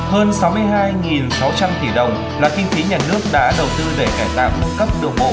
hơn sáu mươi hai sáu trăm linh tỷ đồng là kinh tế nhà nước đã đầu tư để cải tạo nâng cấp đồ mộ